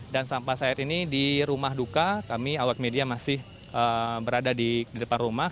dan sampah saat ini di rumah duka kami awet media masih berada di depan rumah